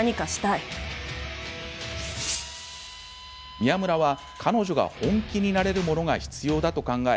宮村は彼女が本気になれるものが必要だと考え